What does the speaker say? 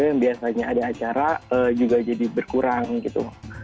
yang biasanya ada acara juga jadi berkurang gitu